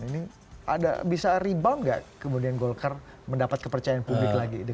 ini ada bisa rebound nggak kemudian golkar mendapat kepercayaan publik lagi